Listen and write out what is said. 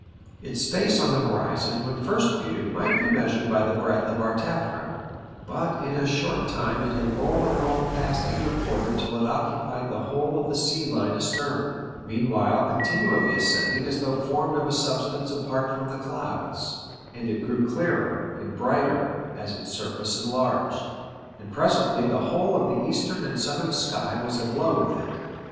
Its space on the horizon when first viewed might be measured by the breadth of our taffrail ; but in a short time it had rolled along past either quarter till it occu pied the whole of the sea line astern, meanwhile con tinually ascending as though formed of a substance apart from the clouds ; and it grew clearer and brighter as its surface enlarged, and presently the whole of the eastern and southern sky was aglow with it.